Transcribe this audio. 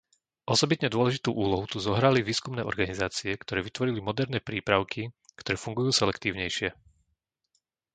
Osobitne dôležitú úlohu tu zohrali výskumné organizácie, ktoré vytvorili moderné prípravky, ktoré fungujú selektívnejšie.